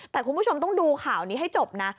แต่คุณผู้ชมต้องดูข่าวนี้ให้จบนะ